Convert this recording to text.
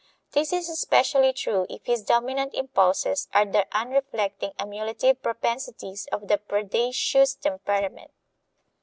This is especially true if his dominant impulses are the unreflecting emulative propensities of the predaceous temperament.